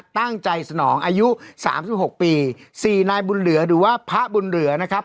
ตั้งใจสนองอายุ๓๖ปี๔นายบุญเหลือหรือว่าพระบุญเหลือนะครับ